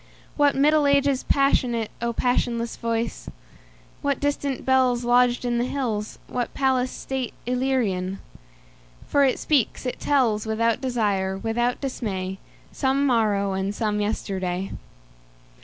What Middle Ages passionate,O passionless voice! What distant bellsLodged in the hills, what palace stateIllyrian! For it speaks, it tells, Without desire, without dismay, Some morrow and some yesterday.